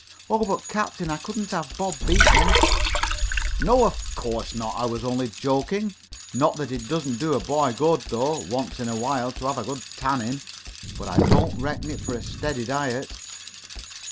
"Oh, but, captain, I couldn't have Bob beaten!" "No, of course not, I was only joking. Not that it doesn't do a boy good, though, once in a while, to have a good tanning. But I don't recommend it for a steady diet."